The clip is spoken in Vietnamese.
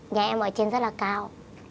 nhà em ở trên rất là cao